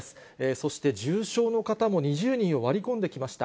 そして、重症の方も２０人を割り込んできました。